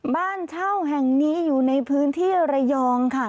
บ้านเช่าแห่งนี้อยู่ในพื้นที่ระยองค่ะ